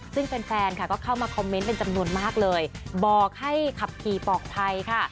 ซึ่งแฟนค่ะก็เข้ามาคอมเมนต์เป็นจำนวนมากเลยบอกให้ขับขี่ปลอดภัยค่ะ